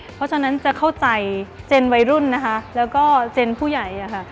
เพราะฉะนั้นจะเข้าใจเจนวัยรุ่นนะคะแล้วก็เจนผู้ใหญ่อะค่ะ